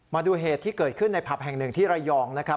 มาดูเหตุที่เกิดขึ้นในผับแห่งหนึ่งที่ระยองนะครับ